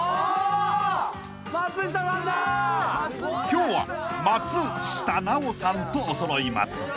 ［今日は松下奈緒さんとおそろい松］